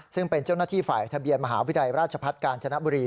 ซึ่งเป็นเจ้าหน้าที่ฝ่ายทะเบียนมหาวิทยาลัยราชพัฒน์กาญจนบุรี